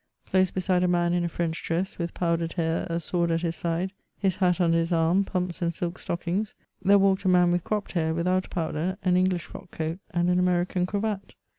Close beside a man in a French dress, with powdered hair, a sword at his side, his hat under his arm, pumps and silk stockings, there walked a man with cropped hair without powder, an English frock coat, and an American cravat.